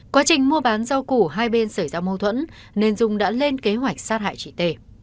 quá trình mua bán rau củ hai bên xảy ra mâu thuẫn nên dung đã lên kế hoạch sát hại chị t